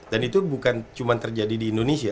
dan itu bukan cuma terjadi di indonesia